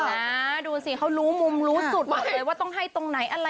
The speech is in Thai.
เก่งนะดูสิเขารู้มุมรู้สุดเลยว่าต้องให้ตรงไหนอะไรยังไง